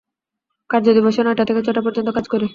কার্যদিবসে নয়টা থেকে ছয়টা পর্যন্ত কাজ করি।